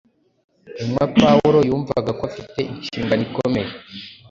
Intumwa Pawulo yumvaga ko afite inshingano ikomeye